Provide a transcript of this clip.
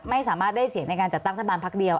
ไม่สามารถได้เสียงในการจัดตั้งรัฐบาลพักเดียว